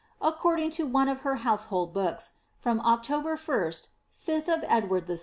according to one of her household books, from Oc tober 1st, 5th of Edward VI.